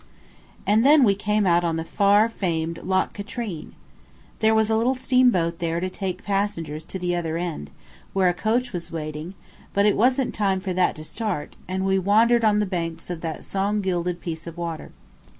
And then we came out on the far famed Loch Katrine. There was a little steamboat there to take passengers to the other end, where a coach was waiting, but it wasn't time for that to start, and we wandered on the banks of that song gilded piece of water.